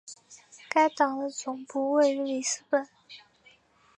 该党的总部位于里斯本。